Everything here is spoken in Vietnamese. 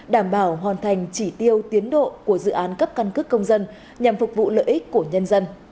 đảm bảo hoàn thành chỉ tiêu tiến độ của dự án cấp căn cước công dân nhằm phục vụ lợi ích của nhân dân